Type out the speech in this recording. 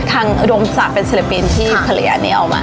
ทางโดมศาสตร์เป็นศิลปินที่ภรรยานี้เอามา